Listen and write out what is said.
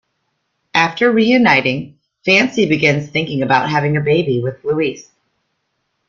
After reuniting, Fancy begins thinking about having a baby with Luis.